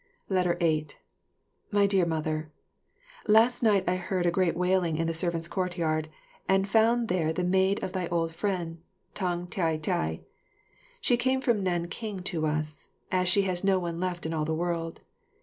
8 My Dear Mother, Last night I heard a great wailing in the servants' courtyard, and found there the maid of thy old friend, Tang Tai tai. She came from Nanking to us, as she has no one left in all the world.